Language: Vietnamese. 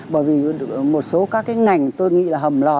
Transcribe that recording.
bởi vì một số các cái ngành tôi nghĩ là hầm lò